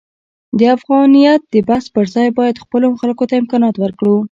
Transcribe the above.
د افغانیت د بحث پرځای باید خپلو خلکو ته امکانات ورکړو.